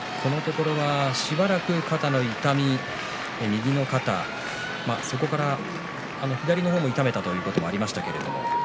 しばらく肩の痛み右の肩、そこから左の肩も痛めたということもありました。